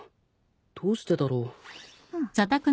どうしてだろ？